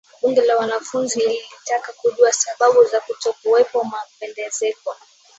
bunge la wanafunzi lilitaka kujua sababu za kutokuwepo mapendekezo